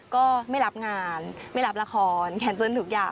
ก็ไม่รับงานไม่รับละครแคนเซิลทุกอย่าง